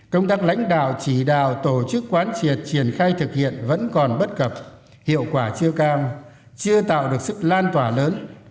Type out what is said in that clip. công tác lãnh đạo chỉ đạo tổ chức quán triệt triển khai thực hiện vẫn còn bất cập hiệu quả chưa cam chưa tạo được sức lan tỏa lớn